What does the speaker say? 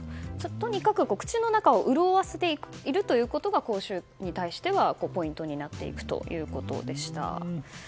とにかく口の中を潤わせていることが口臭に対しては、ポイントになっていくということでした。